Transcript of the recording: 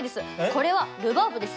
これはルバーブです。